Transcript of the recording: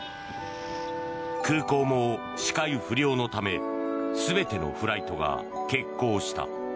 空港も視界不良のため全てのフライトが欠航した。